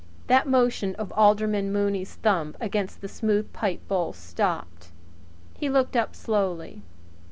That motion of Alderman Mooney's thumb against the smooth pipebowl stopped. He looked up slowly.